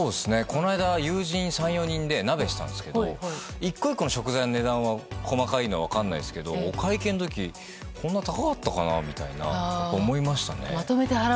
この間、友人３４人で鍋をしたんですが１個１個の食材の値段は細かいのは分からないですけどお会計の時こんな高かったかなって思いましたね。